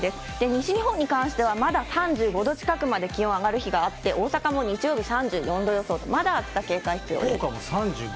西日本に関してはまだ３５度近くまで気温上がる日があって、大阪も日曜日３４度予想と、まだ警戒必要です。